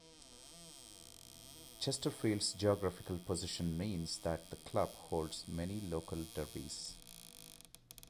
Chesterfield's geographical position means that the club holds many local derbies.